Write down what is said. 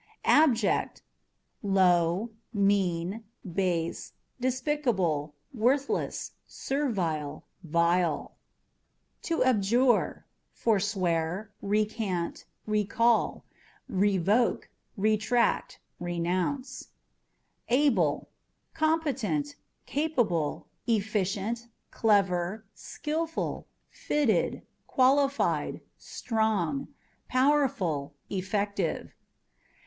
Abject â€" low, mean, base, despicable, worthless, servile, vile. & L 2 ABJâ€" ABS. To Abjure â€" forswear, recant, recall, revoke, retract, renounce. Ableâ€" competent, capable, efficient, clever, skilful, fitted, qualified, strong, powerful, effective.